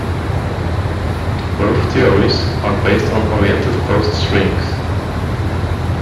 Both theories are based on oriented closed strings.